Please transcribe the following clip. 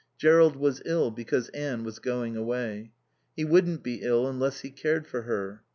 Jerrold was ill because Anne was going away. He wouldn't be ill unless he cared for her.